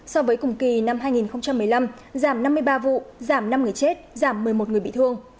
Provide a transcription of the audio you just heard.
so với cùng kỳ năm hai nghìn một mươi năm giảm năm mươi ba vụ giảm năm người chết giảm một mươi một người bị thương